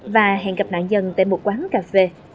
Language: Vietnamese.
và hẹn gặp nạn nhân tại một quán cà phê